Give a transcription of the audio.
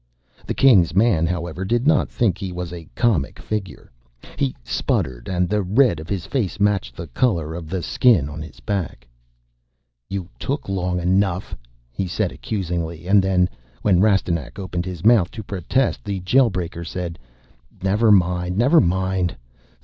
The King's man, however, did not think he was a comic figure. He sputtered, and the red of his face matched the color of the skin on his back. "You took long enough," he said accusingly and then, when Rastignac opened his mouth to protest, the Jail breaker said, "Never mind, never mind.